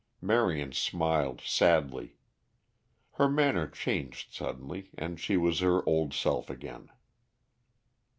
Marion smiled sadly. Her manner changed suddenly and she was her old self again.